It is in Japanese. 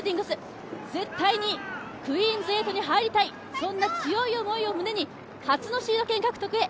絶対にクイーンズ８に入りたい、そんな強い思いを胸に、初のシード権獲得へ。